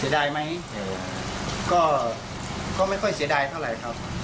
ดายไหมก็ไม่ค่อยเสียดายเท่าไหร่ครับ